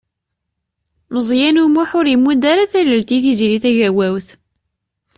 Meẓyan U Muḥ ur imudd ara tallelt i Tiziri Tagawawt.